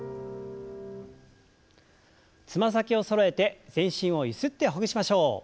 つま先をそろえて全身をゆすってほぐしましょう。